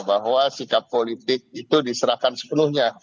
bahwa sikap politik itu diserahkan sepenuhnya